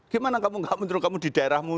gimana kamu tidak mentur kamu di daerahmu